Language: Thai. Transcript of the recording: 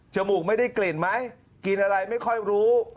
มูกไม่ได้กลิ่นไหมกินอะไรไม่ค่อยรู้